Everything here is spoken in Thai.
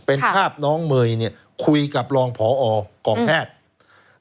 เป็นภาพน้องเมย์เนี่ยคุยกับรองพอกองแพทย์